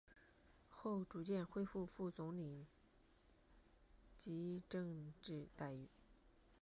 后逐渐恢复副总理级政治待遇。